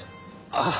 ああ。